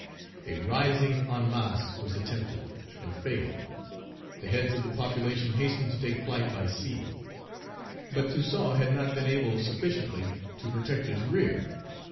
Page 70 A rising en masse was attempted, and failed. The heads of the population hastened to take flight by sea. But Toussaint had not been able sufficiently to protect his rear.